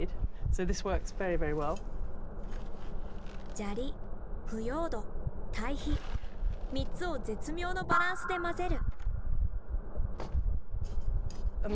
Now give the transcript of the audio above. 砂利腐葉土堆肥３つを絶妙のバランスで混ぜる。